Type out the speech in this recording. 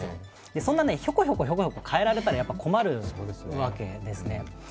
そんなひょこひょこ変えられたらやっぱり困るわけですね。